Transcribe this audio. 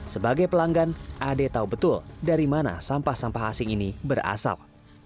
sebagai pelanggan ade tahu betul dari mana sampah sampah asing ini berasal